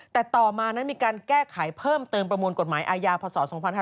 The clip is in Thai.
แต่ต่อมานั้นมีการแก้ไขเพิ่มเติมประมวลกฎหมายอาญาพศ๒๕๕๙